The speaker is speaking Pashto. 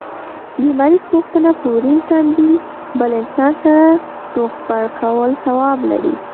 د مریض پوښتنه په ورين تندي بل انسان سره روغبړ کول ثواب لري